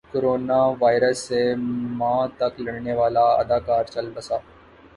corona virus سے ماہ تک لڑنے والا اداکار چل بسا